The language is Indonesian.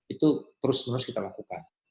itu terus menerus kita lakukan